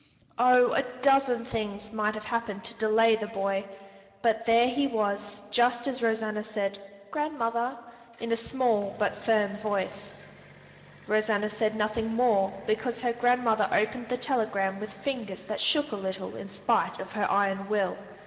Oh, a dozen things might have happened to delay the boy, but there he was just as Rosanna said, "Grandmother!" in a small but firm voice. Rosanna said nothing more because her grandmother opened the telegram with fingers that shook a little in spite of her iron will.